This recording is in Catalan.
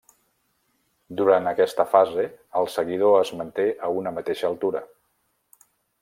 Durant aquesta fase el seguidor es manté a una mateixa altura.